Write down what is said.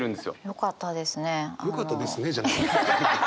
よかったです。